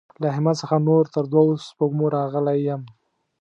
له احمد څخه نور تر دوو سپږمو راغلی يم.